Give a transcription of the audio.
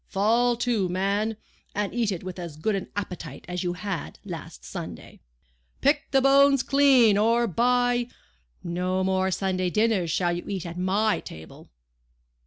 Fall to, man, and eat it with as good an appetite as you had last Sunday. Pick the bones clean, or by—, no more Sunday dinners shall you eat at my table!